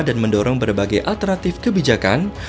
dan mendorong berbagai alternatif kebijakan